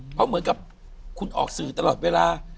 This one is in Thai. เพราะเหมือนกับคุณออกสื่อตลอดเวลา